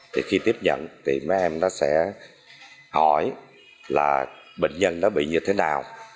thì khi tiếp nhận thì mấy em nó sẽ hỏi là bệnh nhân nó bị như thế nào